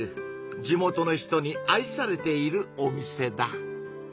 地元の人に愛されているお店だ。